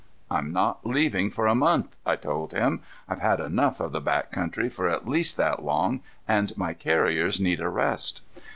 "I'm not leaving for a month," I told him. "I've had enough of the back country for at least that long, and my carriers need a rest."